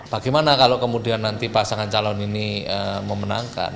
bagaimana kalau kemudian nanti pasangan calon ini memenangkan